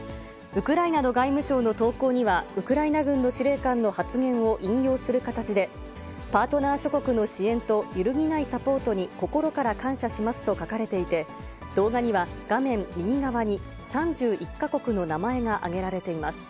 ウクライナの外務省の投稿には、ウクライナ軍の司令官の発言を引用する形で、パートナー諸国の支援と揺るぎないサポートに心から感謝しますと書かれていて、動画には画面右側に３１か国の名前が挙げられています。